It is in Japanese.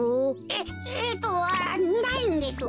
えっとないんです。